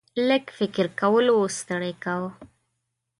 لږ فکر کولو ستړی کاوه.